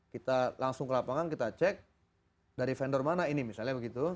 kita langsung ke lapangan kita cek dari vendor mana ini misalnya begitu